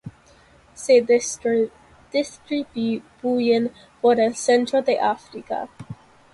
Se distribuyen por el centro de África.